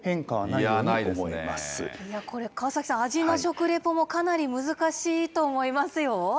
いや、これ、川崎さん、味の食レポもかなり難しいと思いますよ。